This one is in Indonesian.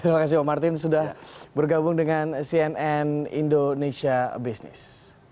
terima kasih pak martin sudah bergabung dengan cnn indonesia business